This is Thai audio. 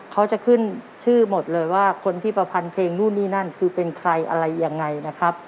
เขาจะขึ้นชื่อหมดเลยว่าคนที่ประพันเพลงนู่นนี่นั่นคือเป็นใครอะไรยังไงนะครับ